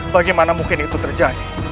bagaimana mungkin itu terjadi